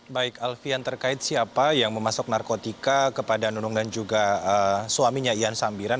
baik alfian terkait siapa yang memasuk narkotika kepada nunung dan juga suaminya ian sambiran